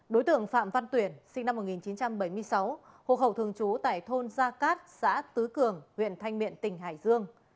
đối tượng phạm văn tuyển sinh năm một nghìn chín trăm bảy mươi sáu hộ khẩu thường trú tại thôn gia cát xã tứ cường huyện thanh miện tỉnh hải dương